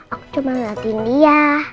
aku cuma ngeliatin dia